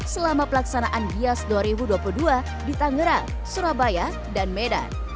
selama pelaksanaan gias dua ribu dua puluh dua di tangerang surabaya dan medan